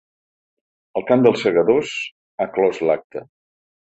El cant dels Segadors, ha clos l’acte.